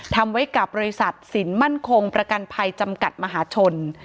ทำไว้กับบริษัทสินมั่นคงประกันภัยจำกัดมหาชน